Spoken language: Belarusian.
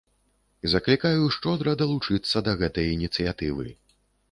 Заклікаю шчодра далучыцца да гэтай ініцыятывы.